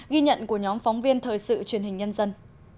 ghi nhận của nhóm phóng viên thời sự truyền hình nhân dân